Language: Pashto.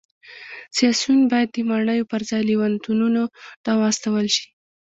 سیاسیون باید د ماڼیو پرځای لېونتونونو ته واستول شي